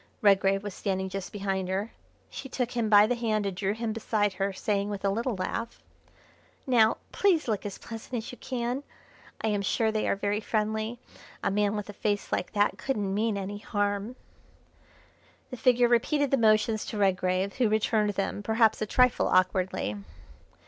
Redgrave was standing just behind her; she took him by the hand and drew him beside her, saying, with a little laugh: "Now, please look as pleasant as you can; I am sure they are very friendly. A man with a face like that couldn't mean any harm." The figure repeated the motions to Redgrave, who returned them, perhaps a trifle awkwardly.